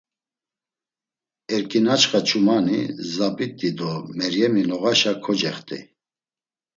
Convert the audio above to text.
Erǩinaçxa ç̌umani, Zabit̆i do Meryemi noğaşa kocext̆ey.